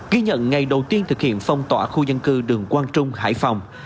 ghi nhận ngày đầu tiên thực hiện phong tỏa khu dân cư đường quang trung hải phòng